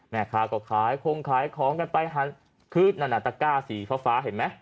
แม่ค้าก็ขายคงขายของกันไปหันขึ้นนั่นน่ะตะก้าสีฟ้าฟ้าเห็นไหม